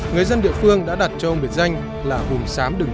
người dân địa phương đã đặt cho ông biệt danh là hùng sám đường chín